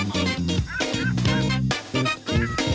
สวัสดีครับ